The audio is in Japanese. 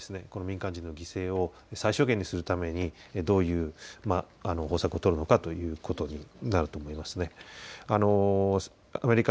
最大の試金石はイスラエル側がですね、今回の犠牲を最小限にするためにどういう方策を取るのかということになると思いますね。